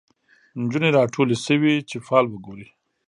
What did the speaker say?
نجونې راټولي شوی چي فال وګوري